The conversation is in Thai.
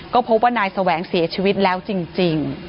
ก็พบว่านายแสวงเสียชีวิตแล้วจริง